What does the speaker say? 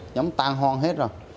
giống tan hoang hết rồi